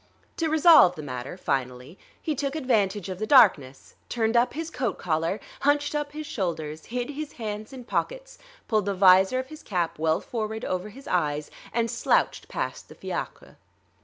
To resolve the matter, finally, he took advantage of the darkness, turned up his coat collar, hunched up his shoulders, hid his hands in pockets, pulled the visor of his cap well forward over his eyes, and slouched past the fiacre.